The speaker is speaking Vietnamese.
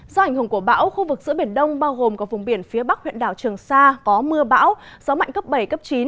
do ảnh hưởng của bão khu vực giữa biển đông bao gồm cả vùng biển phía bắc huyện đảo trường sa có mưa bão gió mạnh cấp bảy cấp chín